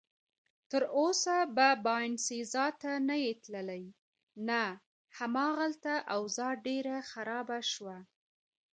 تراوسه به باینسیزا ته نه یې تللی؟ نه، هماغلته اوضاع ډېره خرابه شوه.